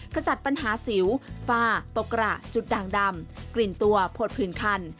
ขจัดปัญหาสิวฟ้าตกกระจุดด่างดำกลิ่นตัวผดผื่นคัน